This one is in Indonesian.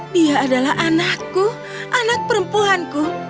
dia adalah anakku anak perempuanku